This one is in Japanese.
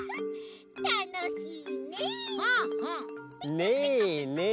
・ねえねえ！